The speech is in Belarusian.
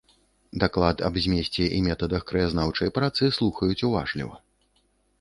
Даклад аб змесце і метадах краязнаўчай працы слухаюць уважліва.